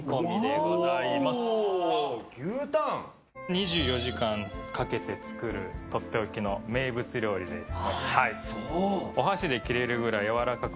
２４時間かけて作るとっておきの名物料理です。